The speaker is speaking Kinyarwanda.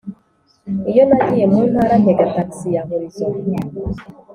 Iyo nagiye mu ntara ntega taxi ya horizon